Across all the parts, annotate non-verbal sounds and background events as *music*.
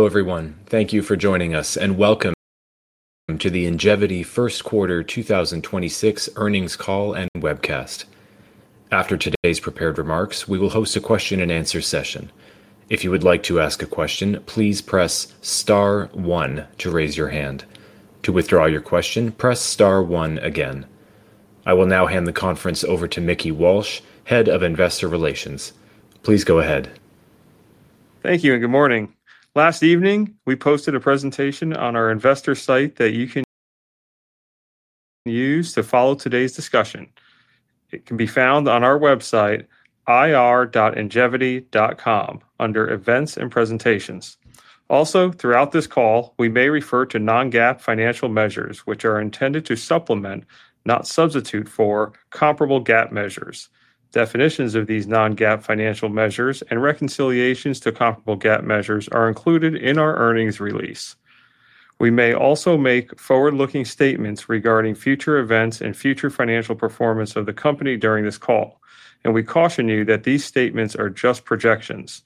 Hello, everyone. Thank you for joining us, and welcome to the Ingevity First Quarter 2026 Earnings Call and webcast. After today's prepared remarks, we will host a question-and-answer session. If you would like to ask a question, please press star one to raise your hand. To withdraw your question, press star one again. I will now hand the conference over to Mickey Walsh, Head of Investor Relations. Please go ahead. Thank you and good morning. Last evening, we posted a presentation on our Investor site that you can use to follow today's discussion. It can be found on our website ir.ingevity.com under Events and Presentations. Also, throughout this call, we may refer to non-GAAP financial measures, which are intended to supplement, not substitute for, comparable GAAP measures. Definitions of these non-GAAP financial measures and reconciliations to comparable GAAP measures are included in our earnings release. We may also make forward-looking statements regarding future events and future financial performance of the company during this call, and we caution you that these statements are just projections,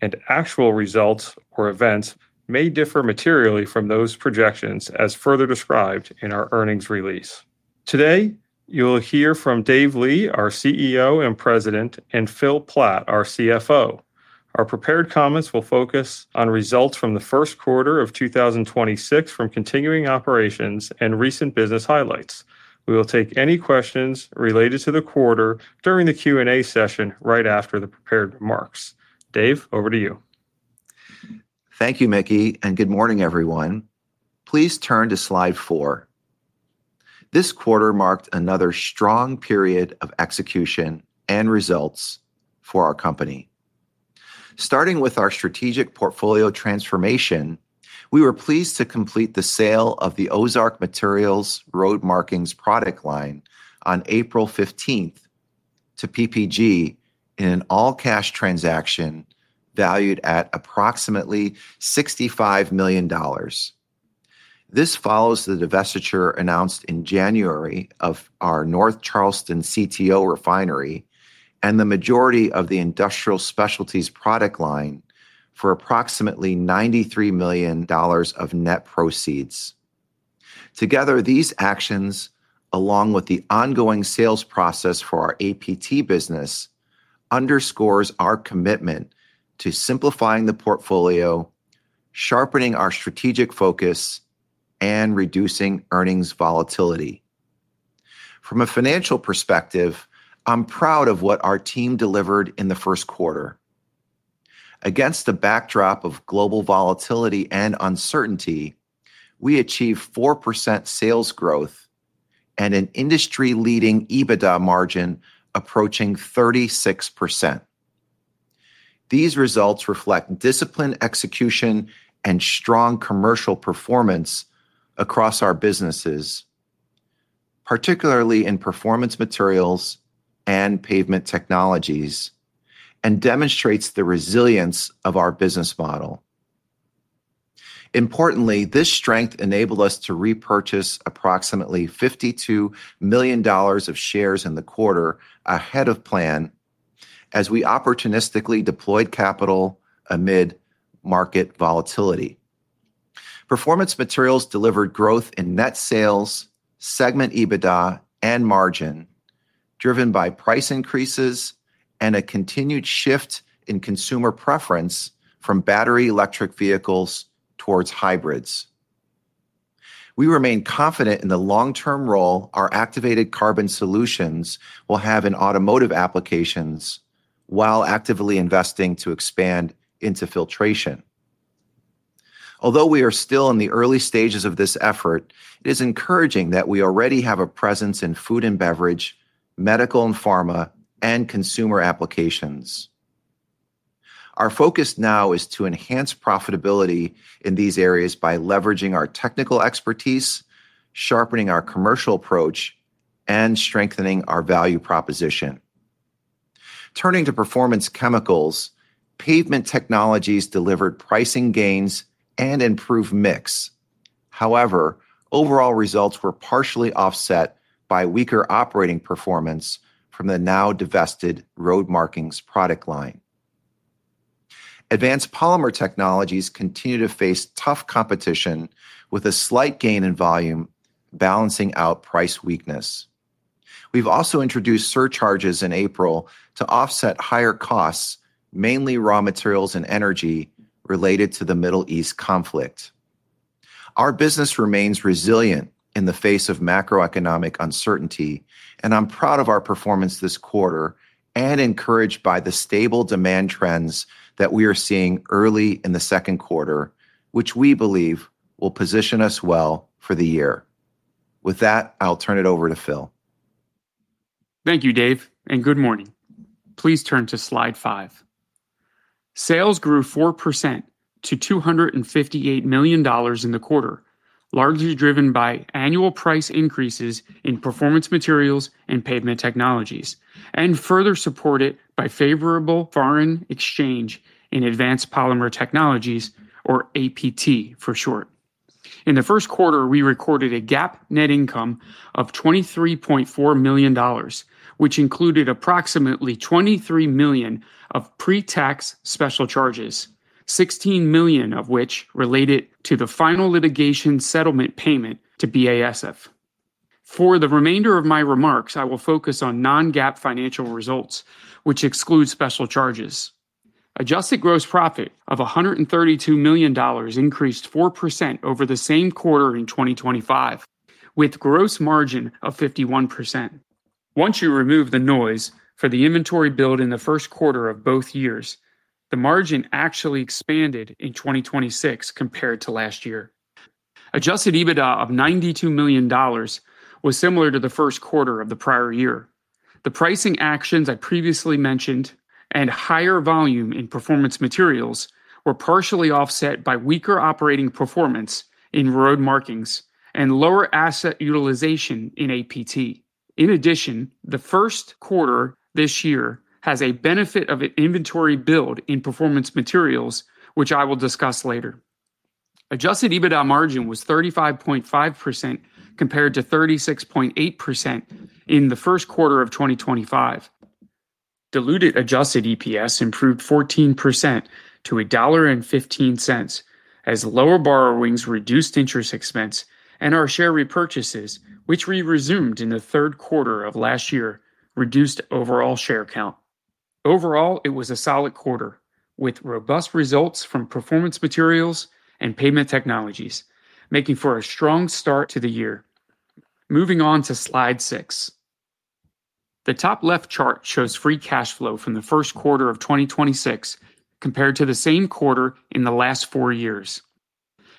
and actual results or events may differ materially from those projections as further described in our earnings release. Today, you will hear from Dave Li, our CEO and President, and Phil Platt, our CFO. Our prepared comments will focus on results from the first quarter of 2026 from continuing operations and recent business highlights. We will take any questions related to the quarter during the Q&A session right after the prepared remarks. Dave, over to you. Thank you, Mickey, and good morning, everyone. Please turn to slide four. This quarter marked another strong period of execution and results for our company. Starting with our strategic portfolio transformation, we were pleased to complete the sale of the Ozark Materials Road Markings product line on April 15th to PPG in an all-cash transaction valued at approximately $65 million. This follows the divestiture announced in January of our North Charleston CTO refinery and the majority of the Industrial Specialties product line for approximately $93 million of net proceeds. These actions, along with the ongoing sales process for our APT business, underscores our commitment to simplifying the portfolio, sharpening our strategic focus, and reducing earnings volatility. From a financial perspective, I'm proud of what our team delivered in the first quarter. Against the backdrop of global volatility and uncertainty, we achieved 4% sales growth and an industry-leading EBITDA margin approaching 36%. These results reflect disciplined execution and strong commercial performance across our businesses, particularly in Performance Materials and Pavement Technologies, and demonstrates the resilience of our business model. Importantly, this strength enabled us to repurchase approximately $52 million of shares in the quarter ahead of plan as we opportunistically deployed capital amid market volatility. Performance Materials delivered growth in net sales, segment EBITDA, and margin, driven by price increases and a continued shift in consumer preference from battery electric vehicles towards hybrids. We remain confident in the long-term role our activated carbon solutions will have in automotive applications while actively investing to expand into filtration. Although we are still in the early stages of this effort, it is encouraging that we already have a presence in food and beverage, medical and pharma, and consumer applications. Our focus now is to enhance profitability in these areas by leveraging our technical expertise, sharpening our commercial approach, and strengthening our value proposition. Turning to Performance Chemicals, Pavement Technologies delivered pricing gains and improved mix. Overall results were partially offset by weaker operating performance from the now divested road markings product line. Advanced Polymer Technologies continue to face tough competition with a slight gain in volume balancing out price weakness. We've also introduced surcharges in April to offset higher costs, mainly raw materials and energy related to the Middle East conflict. Our business remains resilient in the face of macroeconomic uncertainty. I'm proud of our performance this quarter and encouraged by the stable demand trends that we are seeing early in the second quarter, which we believe will position us well for the year. With that, I'll turn it over to Phil. Thank you, Dave Li. Good morning. Please turn to slide five. Sales grew 4% to $258 million in the quarter, largely driven by annual price increases in Performance Materials and Pavement Technologies, further supported by favorable foreign exchange in Advanced Polymer Technologies, or APT for short. In the first quarter, we recorded a GAAP net income of $23.4 million, which included approximately $23 million of pre-tax special charges, $16 million of which related to the final litigation settlement payment to BASF. For the remainder of my remarks, I will focus on non-GAAP financial results, which excludes special charges. Adjusted gross profit of $132 million increased 4% over the same quarter in 2025, with gross margin of 51%. Once you remove the noise for the inventory build in the first quarter of both years, the margin actually expanded in 2026 compared to last year. Adjusted EBITDA of $92 million was similar to the first quarter of the prior year. The pricing actions I previously mentioned and higher volume in Performance Materials were partially offset by weaker operating performance in Road Markings and lower asset utilization in APT. In addition, the first quarter this year has a benefit of an inventory build in Performance Materials, which I will discuss later. Adjusted EBITDA margin was 35.5% compared to 36.8% in the first quarter of 2025. Diluted adjusted EPS improved 14% to $1.15 as lower borrowings reduced interest expense and our share repurchases, which we resumed in the third quarter of last year, reduced overall share count. Overall, it was a solid quarter, with robust results from Performance Materials and Pavement Technologies, making for a strong start to the year. Moving on to slide six. The top left chart shows free cash flow from the first quarter of 2026 compared to the same quarter in the last four years.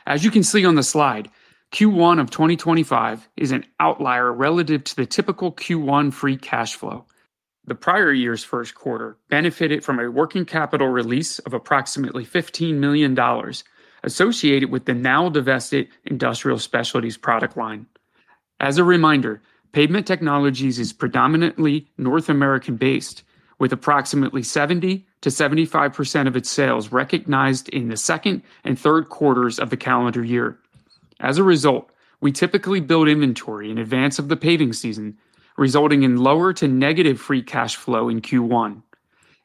As you can see on the slide, Q1 of 2025 is an outlier relative to the typical Q1 free cash flow. The prior year's first quarter benefited from a working capital release of approximately $15 million associated with the now divested Industrial Specialties product line. As a reminder, Pavement Technologies is predominantly North American based, with approximately 70%-75% of its sales recognized in the second and third quarters of the calendar year. As a result, we typically build inventory in advance of the paving season, resulting in lower to negative free cash flow in Q1.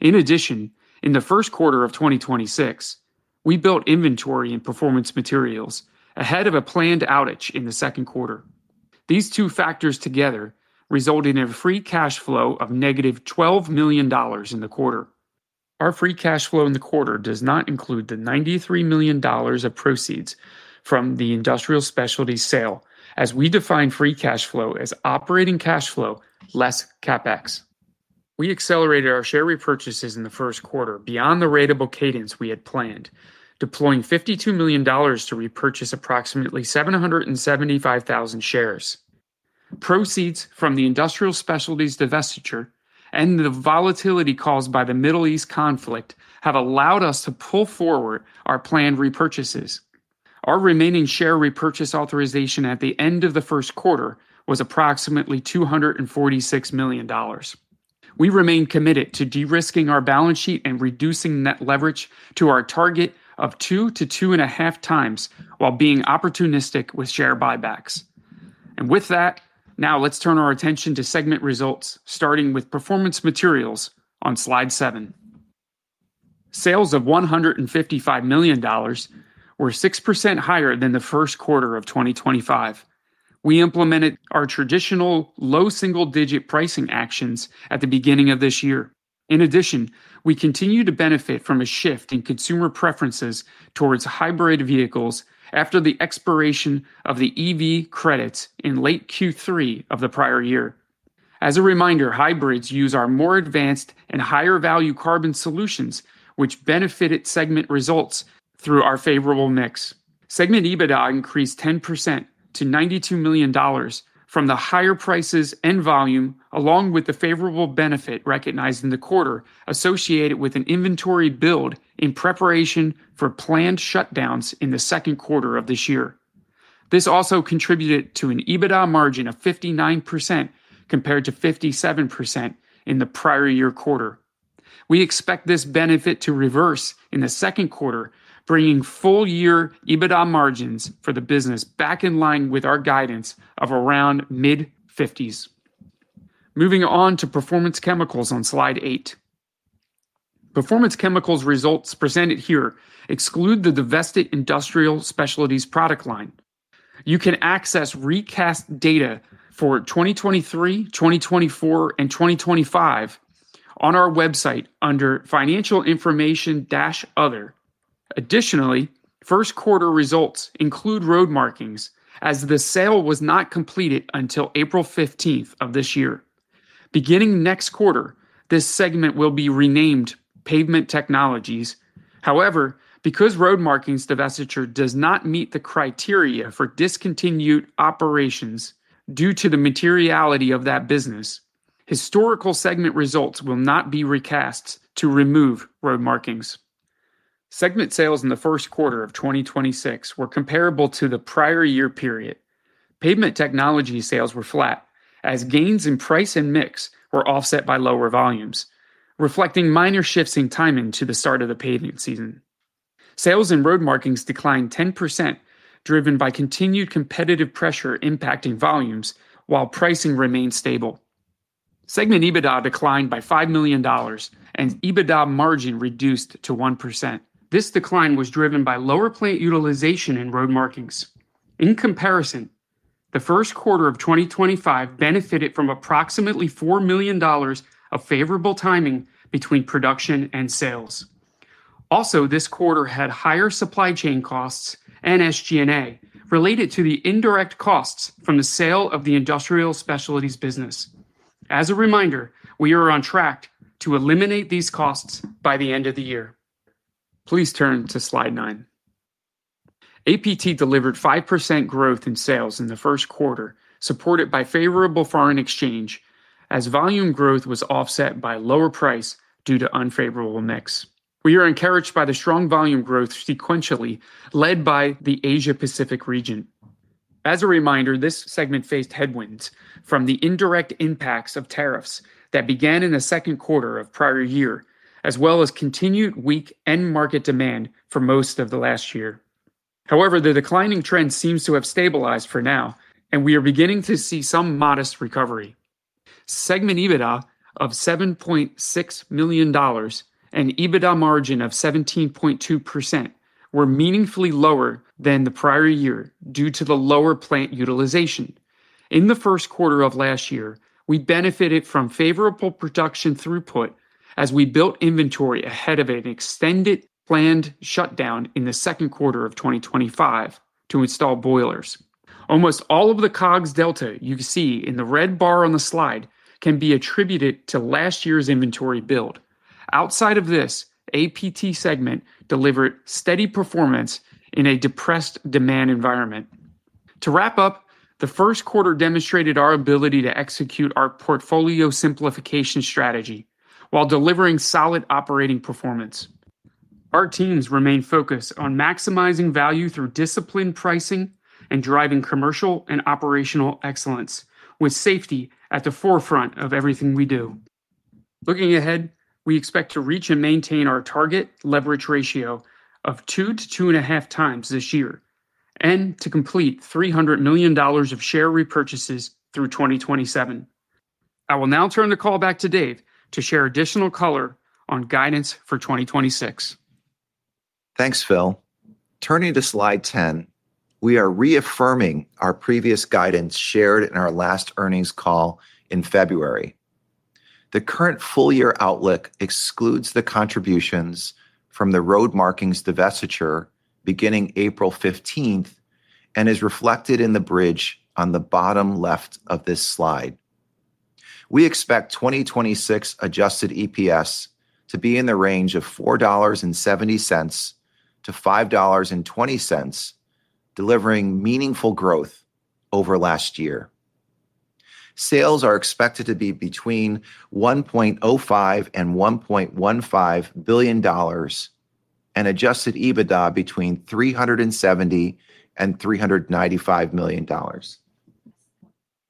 In addition, in the first quarter of 2026, we built inventory and Performance Materials ahead of a planned outage in the second quarter. These two factors together result in a free cash flow of -$12 million in the quarter. Our free cash flow in the quarter does not include the $93 million of proceeds from the Industrial Specialties sale, as we define free cash flow as operating cash flow less CapEx. We accelerated our share repurchases in the first quarter beyond the ratable cadence we had planned, deploying $52 million to repurchase approximately 775,000 shares. Proceeds from the Industrial Specialties divestiture and the volatility caused by the Middle East conflict have allowed us to pull forward our planned repurchases. Our remaining share repurchase authorization at the end of the first quarter was approximately $246 million. We remain committed to de-risking our balance sheet and reducing net leverage to our target of 2x-2.5x while being opportunistic with share buybacks. With that, now let's turn our attention to segment results, starting with Performance Materials on slide seven. Sales of $155 million were 6% higher than the first quarter of 2025. We implemented our traditional low single-digit pricing actions at the beginning of this year. In addition, we continue to benefit from a shift in consumer preferences towards hybrid vehicles after the expiration of the EV credits in late Q3 of the prior year. As a reminder, hybrids use our more advanced and higher value carbon solutions, which benefited segment results through our favorable mix. Segment EBITDA increased 10% to $92 million from the higher prices and volume, along with the favorable benefit recognized in the quarter associated with an inventory build in preparation for planned shutdowns in the second quarter of this year. This also contributed to an EBITDA margin of 59% compared to 57% in the prior year quarter. We expect this benefit to reverse in the second quarter, bringing full year EBITDA margins for the business back in line with our guidance of around mid-fifties. Moving on to Performance Chemicals on slide eight. Performance Chemicals results presented here exclude the divested Industrial Specialties product line. You can access recast data for 2023, 2024, and 2025 on our website under Financial Information-Other. Additionally, first quarter results include Road Markings, as the sale was not completed until April 15th of this year. Beginning next quarter, this segment will be renamed Pavement Technologies. However, because Road Markings divestiture does not meet the criteria for discontinued operations due to the materiality of that business, historical segment results will not be recast to remove Road Markings. Segment sales in the first quarter of 2026 were comparable to the prior year period. Pavement Technologies sales were flat as gains in price and mix were offset by lower volumes, reflecting minor shifts in timing to the start of the pavement season. Sales in Road Markings declined 10%, driven by continued competitive pressure impacting volumes while pricing remained stable. Segment EBITDA declined by $5 million and EBITDA margin reduced to 1%. This decline was driven by lower plant utilization in Road Markings. In comparison, the first quarter of 2025 benefited from approximately $4 million of favorable timing between production and sales. This quarter had higher supply chain costs and SG&A related to the indirect costs from the sale of the Industrial Specialties business. As a reminder, we are on track to eliminate these costs by the end of the year. Please turn to slide nine. APT delivered 5% growth in sales in the first quarter, supported by favorable foreign exchange as volume growth was offset by lower price due to unfavorable mix. We are encouraged by the strong volume growth sequentially led by the Asia Pacific region. As a reminder, this segment faced headwinds from the indirect impacts of tariffs that began in the second quarter of prior year, as well as continued weak end market demand for most of the last year. However, the declining trend seems to have stabilized for now, and we are beginning to see some modest recovery. Segment EBITDA of $7.6 million and EBITDA margin of 17.2% were meaningfully lower than the prior year due to the lower plant utilization. In the first quarter of last year, we benefited from favorable production throughput as we built inventory ahead of an extended planned shutdown in the second quarter of 2025 to install boilers. Almost all of the COGS delta you see in the red bar on the slide can be attributed to last year's inventory build. Outside of this, APT segment delivered steady performance in a depressed demand environment. To wrap up, the first quarter demonstrated our ability to execute our portfolio simplification strategy while delivering solid operating performance. Our teams remain focused on maximizing value through disciplined pricing and driving commercial and operational excellence with safety at the forefront of everything we do. Looking ahead, we expect to reach and maintain our target leverage ratio of 2x-2.5x this year and to complete $300 million of share repurchases through 2027. I will now turn the call back to Dave to share additional color on guidance for 2026. Thanks, Phil. Turning to slide 10, we are reaffirming our previous guidance shared in our last earnings call in February. The current full year outlook excludes the contributions from the Road Markings divestiture beginning April 15th and is reflected in the bridge on the bottom left of this slide. We expect 2026 adjusted EPS to be in the range of $4.70-$5.20, delivering meaningful growth over last year. Sales are expected to be between $1.05 billion and $1.15 billion, and adjusted EBITDA between $370 million and $395 million.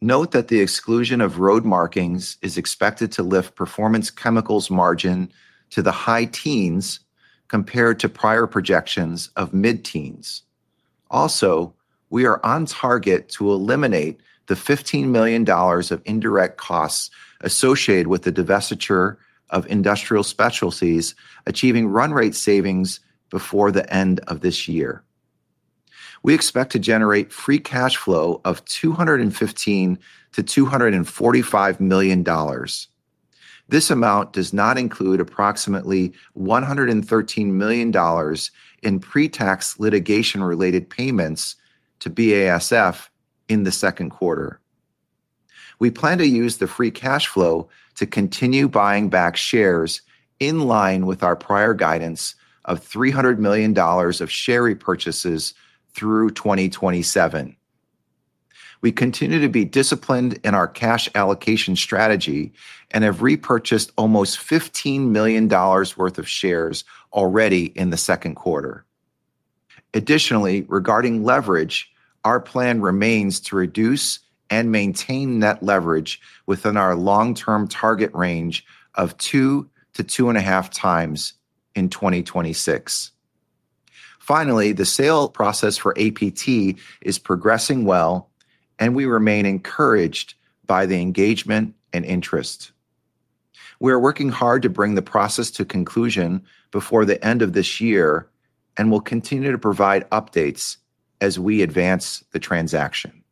Note that the exclusion of Road Markings is expected to lift Performance Chemicals margin to the high teens compared to prior projections of mid-teens. We are on target to eliminate the $15 million of indirect costs associated with the divestiture of Industrial Specialties, achieving run-rate savings before the end of this year. We expect to generate free cash flow of $215 million-$245 million. This amount does not include approximately $113 million in pre-tax litigation related payments to BASF in the second quarter. We plan to use the free cash flow to continue buying back shares in line with our prior guidance of $300 million of share repurchases through 2027. We continue to be disciplined in our cash allocation strategy and have repurchased almost $15 million worth of shares already in the second quarter. Additionally, regarding leverage, our plan remains to reduce and maintain net leverage within our long-term target range of 2x-2.5x in 2026. The sale process for APT is progressing well, and we remain encouraged by the engagement and interest. We are working hard to bring the process to conclusion before the end of this year and will continue to provide updates as we advance the transaction.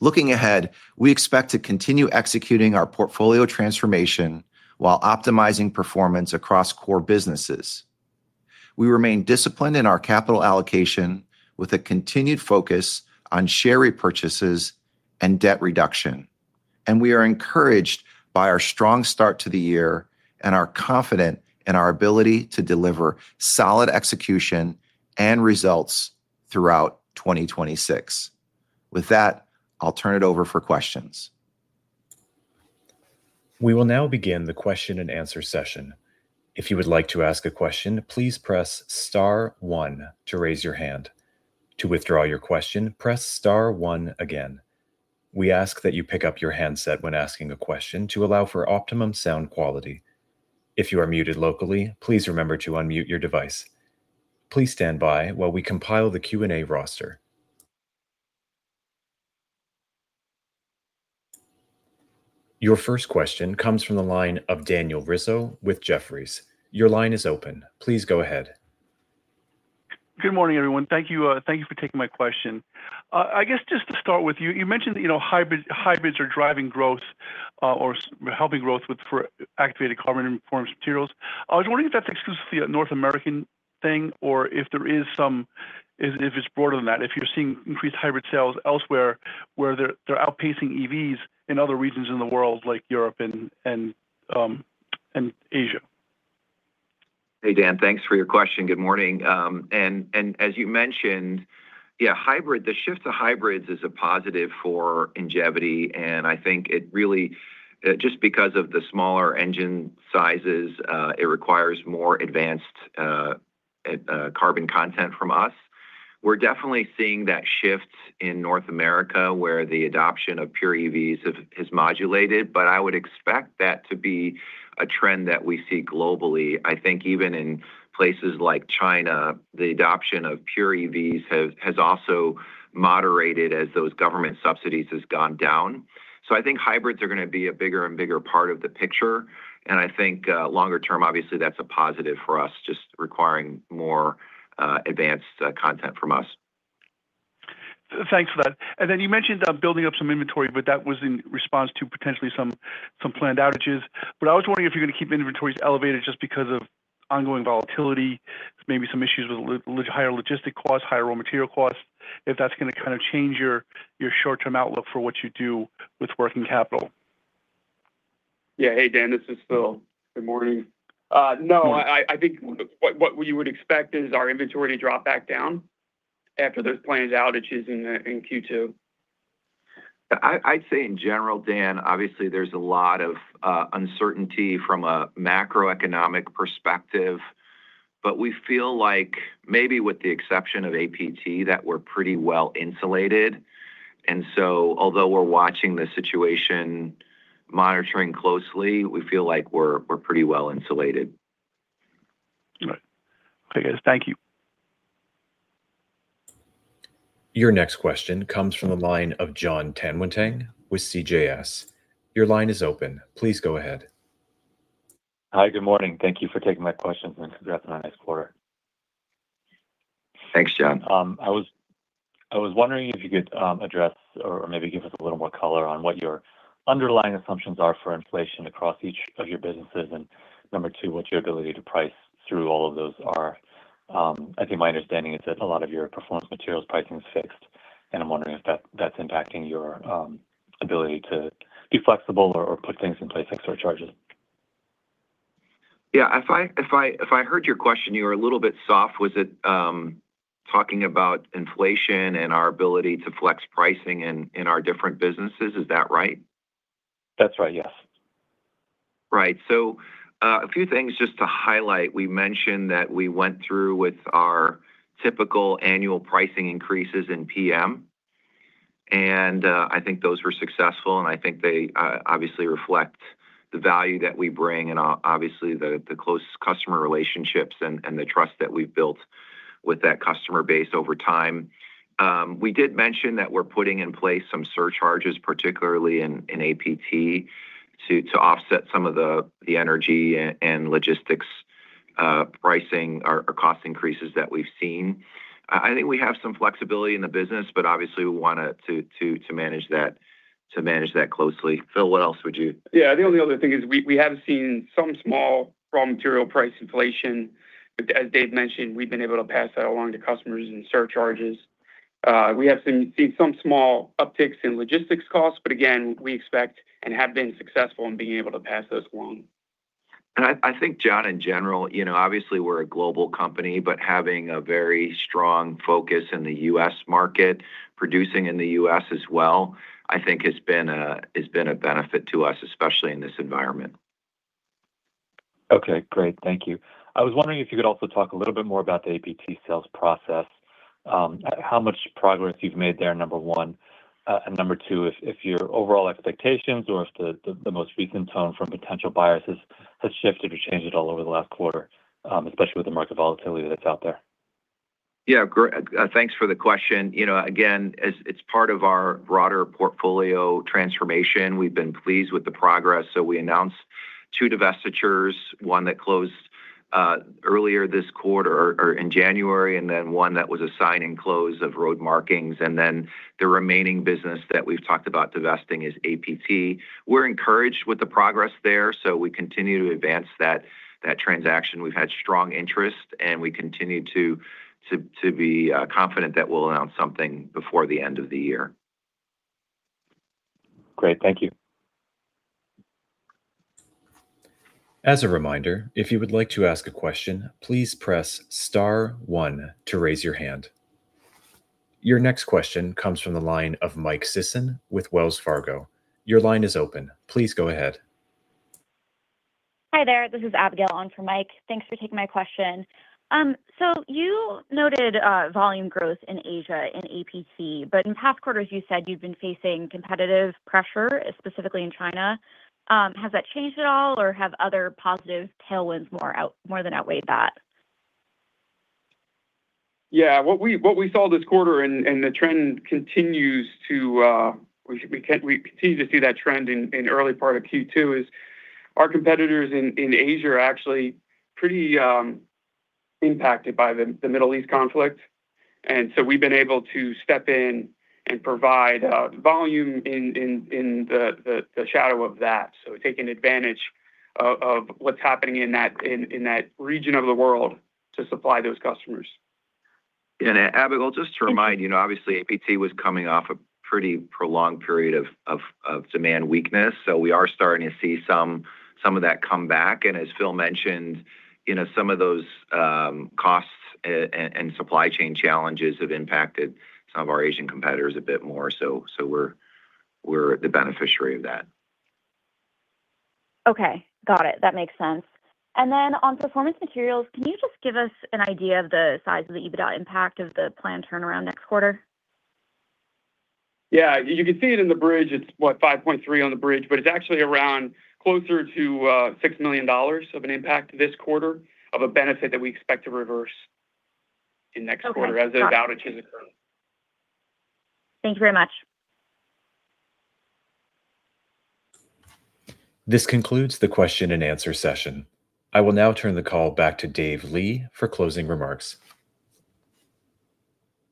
Looking ahead, we expect to continue executing our portfolio transformation while optimizing performance across core businesses. We remain disciplined in our capital allocation with a continued focus on share repurchases and debt reduction. We are encouraged by our strong start to the year and are confident in our ability to deliver solid execution and results throughout 2026. With that, I'll turn it over for questions. We will now begin the question and answer session. If you would like to ask a question, please press star one to raise your hand. To withdraw your question, press star one again. We ask that you pick up your handset when asking a question to allow for optimum sound quality. If you are muted locally, please remember to unmute your device. Please stand by while we compile the Q&A roster. Your first question comes from the line of Daniel Rizzo with Jefferies. Your line is open. Please go ahead. Good morning, everyone. Thank you for taking my question. I guess just to start with you mentioned, you know, hybrids are driving growth or helping growth for activated carbon Performance Materials. I was wondering if that's exclusively a North American thing, or if it's broader than that, if you're seeing increased hybrid sales elsewhere where they're outpacing EVs in other regions in the world like Europe and Asia. Hey, Dan. Thanks for your question. Good morning. As you mentioned, yeah, hybrid, the shift to hybrids is a positive for Ingevity, and I think it really, just because of the smaller engine sizes, it requires more advanced carbon content from us. We're definitely seeing that shift in North America, where the adoption of pure EVs has modulated. I would expect that to be a trend that we see globally. I think even in places like China, the adoption of pure EVs has also moderated as those government subsidies has gone down. I think hybrids are gonna be a bigger and bigger part of the picture. I think, longer term, obviously, that's a positive for us, just requiring more advanced content from us. Thanks for that. You mentioned building up some inventory, but that was in response to potentially some planned outages. I was wondering if you're gonna keep inventories elevated just because of ongoing volatility, maybe some issues with higher logistic costs, higher raw material costs, if that's gonna kinda change your short-term outlook for what you do with working capital. Yeah. Hey, Dan, this is Phil. Good morning. No, I think what you would expect is our inventory to drop back down after those planned outages in Q2. I'd say in general, Dan, obviously there's a lot of uncertainty from a macroeconomic perspective, but we feel like maybe with the exception of APT, that we're pretty well insulated. Although we're watching the situation, monitoring closely, we feel like we're pretty well insulated. All right. Okay, guys. Thank you. Your next question comes from the line of Jon Tanwanteng with CJS. Hi. Good morning. Thank you for taking my questions and congrats on a nice quarter. Thanks, Jon. I was wondering if you could address or maybe give us a little more color on what your underlying assumptions are for inflation across each of your businesses? Number two, what your ability to price through all of those are? I think my understanding is that a lot of your Performance Materials pricing is fixed, and I'm wondering if that's impacting your ability to be flexible or put things in place, extra charges? Yeah. If I heard your question, you were a little bit soft. Was it talking about inflation and our ability to flex pricing in our different businesses? Is that right? That's right, yes. A few things just to highlight. We mentioned that we went through with our typical annual pricing increases in PM, and I think those were successful, and I think they obviously reflect the value that we bring and obviously the close customer relationships and the trust that we've built with that customer base over time. We did mention that we're putting in place some surcharges, particularly in APT to offset some of the energy and logistics pricing or cost increases that we've seen. I think we have some flexibility in the business, but obviously we wanna to manage that, to manage that closely. Phil, what else would you? Yeah. The only other thing is we have seen some small raw material price inflation. As Dave mentioned, we've been able to pass that along to customers in surcharges. We have seen some small upticks in logistics costs, but again, we expect and have been successful in being able to pass those along. I think, Jon, in general, you know, obviously we're a global company, but having a very strong focus in the U.S. market, producing in the U.S. as well, I think has been a benefit to us, especially in this environment. Okay. Great. Thank you. I was wondering if you could also talk a little bit more about the APT sales process, how much progress you've made there, number one. Number two, if your overall expectations or if the most recent tone from potential buyers has shifted or changed at all over the last quarter, especially with the market volatility that's out there? Yeah. Thanks for the question. You know, again, as it's part of our broader portfolio transformation, we've been pleased with the progress. We announced two divestitures, one that closed earlier this quarter or in January, then one that was a sign-in close of Road Markings. Then the remaining business that we've talked about divesting is APT. We're encouraged with the progress there, we continue to advance that transaction. We've had strong interest, we continue to be confident that we'll announce something before the end of the year. Great. Thank you. As a reminder, if you would like to ask a question, please press star 1 to raise your hand. Your next question comes from the line of Mike Sisson with Wells Fargo. Your line is open. Please go ahead. Hi there. This is Abigail on for Mike. Thanks for taking my question. You noted volume growth in Asia and APT, but in past quarters you said you've been facing competitive pressure, specifically in China. Has that changed at all, or have other positive tailwinds more than outweighed that? Yeah. What we saw this quarter. We continue to see that trend in early part of Q2 is our competitors in Asia are actually pretty impacted by the Middle East conflict. We've been able to step in and provide volume in the shadow of that, so taking advantage of what's happening in that region of the world to supply those customers. Abigail, just to remind you now, obviously, APT was coming off a pretty prolonged period of demand weakness, so we are starting to see some of that come back. As Phil mentioned, you know, some of those costs and supply chain challenges have impacted some of our Asian competitors a bit more, so we're the beneficiary of that. Okay. Got it. That makes sense. On Performance Materials, can you just give us an idea of the size of the EBITDA impact of the planned turnaround next quarter? Yeah. You can see it in the bridge. It's, what? $5.3 million on the bridge. It's actually around closer to $6 million of an impact this quarter of a benefit that we expect to reverse in next quarter as the *audio distortion* occurs. Thank you very much. This concludes the question-and-answer session. I will now turn the call back to Dave Li for closing remarks.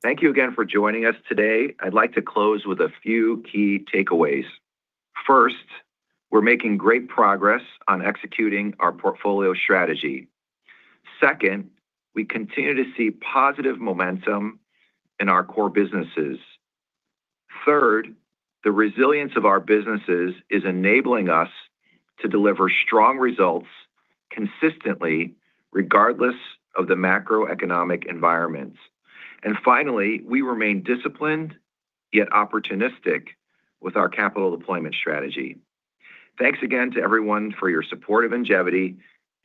Thank you again for joining us today. I'd like to close with a few key takeaways. First, we're making great progress on executing our portfolio strategy. Second, we continue to see positive momentum in our core businesses. Third, the resilience of our businesses is enabling us to deliver strong results consistently, regardless of the macroeconomic environments. Finally, we remain disciplined, yet opportunistic with our capital deployment strategy. Thanks again to everyone for your support of Ingevity,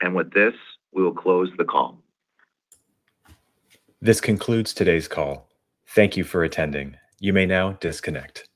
and with this, we will close the call. This concludes today's call. Thank you for attending. You may now disconnect.